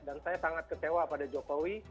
dan saya sangat ketawa pada jokowi